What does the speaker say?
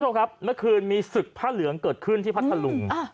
คุณผู้ชมครับเมื่อคืนมีศึกผ้าเหลืองเกิดขึ้นที่พัทธลุง